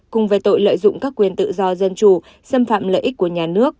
cùng về tội lợi dụng các quyền tự do dân chủ xâm phạm lợi ích của nhà nước